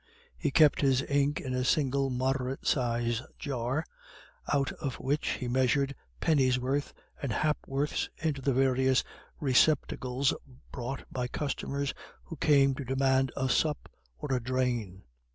He kept his ink in a single moderate sized jar, out of which he measured penn'orths and ha'p'orths into the various receptacles brought by customers who came to demand "a sup" or "a drain."